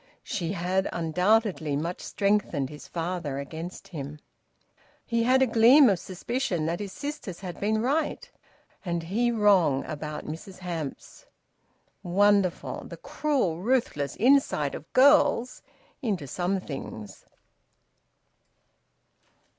She had undoubtedly much strengthened his father against him. He had a gleam of suspicion that his sisters had been right, and he wrong, about Mrs Hamps. Wonderful, the cruel ruthless insight of girls into some things!